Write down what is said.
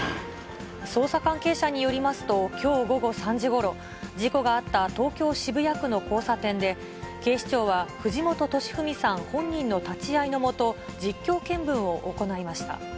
捜査関係者によりますと、きょう午後３時ごろ、事故があった東京・渋谷区の交差点で、警視庁は藤本敏史さん本人の立ち会いの下、実況見分を行いました。